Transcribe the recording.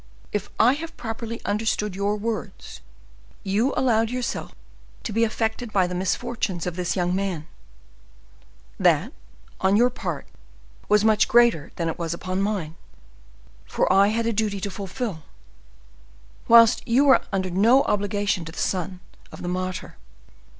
If I have properly understood your words, you allowed yourself to be affected by the misfortunes of this young man; that, on your part, was much greater than it was upon mine, for I had a duty to fulfill; whilst you were under no obligation to the son of the martyr.